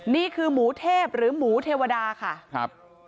นี่คือหมูเทพหรือหมูเทวดาค่ะครับ